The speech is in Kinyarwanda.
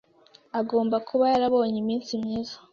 Agomba kuba yarabonye iminsi myiza.